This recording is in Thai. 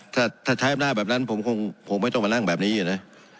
ถ้าใช้อำนาจแบบนั้นผมคงไม่ต้องมานั่งแบบนี้นะ